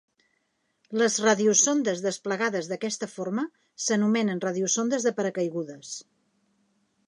Les radiosondes desplegades d'aquesta forma s'anomenen radiosondes de paracaigudes.